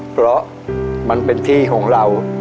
เพราะมันเป็นที่ของเรา